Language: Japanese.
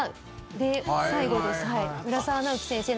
で最後です。